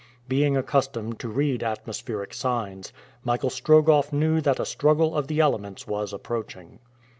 Being accustomed to read atmospheric signs, Michael Strogoff knew that a struggle of the elements was approaching.